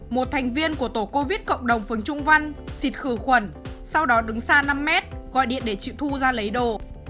một thành viên của tổ covid cộng đồng phường trung văn xịt khử khuẩn sau đó đứng xa năm mét gọi điện để chịu thu ra lấy đồ